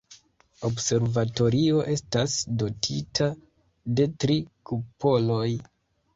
La observatorio estas dotita de tri kupoloj.